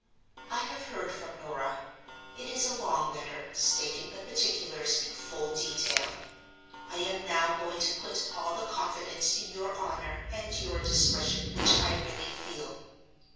"I have heard from Norah. It is a long letter, stating the particulars in full detail. I am now going to put all the confidence in your honor and your discretion which I really feel.